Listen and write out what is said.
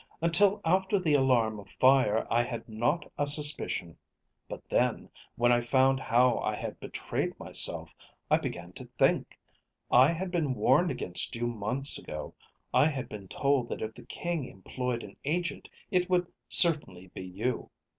Until after the alarm of fire, I had not a suspicion. But then, when I found how I had betrayed myself, I began to think. I had been warned against you months ago. I had been told that, if the King employed an agent, it would certainly be you.